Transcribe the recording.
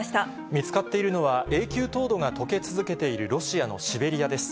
見つかっているのは、永久凍土がとけ続けているロシアのシベリアです。